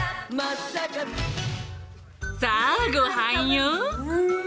さあ、ごはんよ。